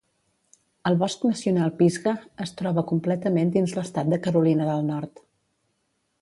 El bosc nacional Pisgah es troba completament dins l'estat de Carolina del Nord.